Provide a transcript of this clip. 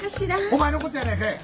お前のことやないかい！